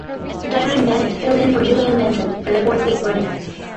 Darren Bennett filled in for Julian Benson for the fourth week running.